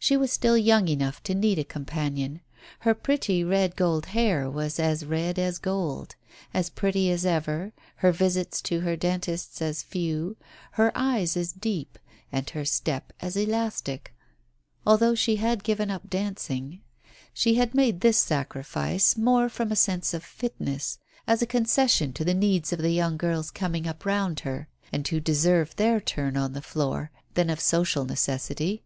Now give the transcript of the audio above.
She was still young enough to need a companion. Her pretty red gold hair was as red as gold, as pretty as ever, her visits to her dentist as few, her eyes as deep, and her step as elastic, although she had given up dancing. She had made this sacrifice more from a sense of fitness, B2 3 Digitized by Google _ 4 TALES OF THE UNEASY as a concession to the needs of the young girls coming up all round her, and who deserved their turn on the floor, than of social necessity.